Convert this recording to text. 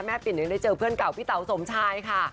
ปิ่นยังได้เจอเพื่อนเก่าพี่เต๋าสมชายค่ะ